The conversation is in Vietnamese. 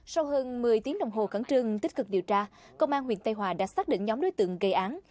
sau hơn một mươi tiếng đồng hồ cấn trương tích cực điều tra công an huyện tây hòa đã xác định nhóm đối tượng gây án